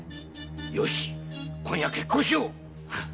よし今夜決行しよう！